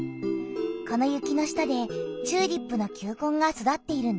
この雪の下でチューリップの球根が育っているんだ。